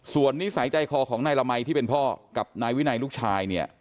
ส่วนนิสัยใจคอของนายละมัยที่เป็นพ่อกับนายวินัยลูกชายเนี่ย